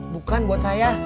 bukan buat saya